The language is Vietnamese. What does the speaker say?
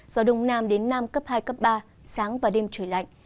gió đông nam đến nam cấp hai cấp ba sáng và đêm trời lạnh